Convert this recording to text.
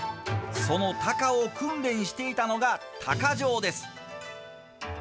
そのたかを訓練していたのがたか匠です。